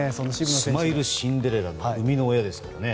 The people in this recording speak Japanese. スマイルシンデレラの生みの親ですからね。